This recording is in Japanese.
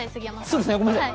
そうですね、ごめんなさい。